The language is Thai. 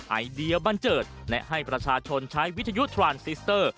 ไอเดียบันเจิดและให้ประชาชนใช้วิทยุทรานซิสเตอร์